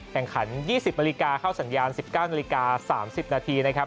แข่งขัน๒๐นาฬิกาเข้าสัญญาณ๑๙นาฬิกา๓๐นาทีนะครับ